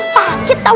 sakit tau gak